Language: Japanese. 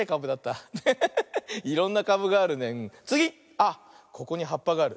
あっここにはっぱがある。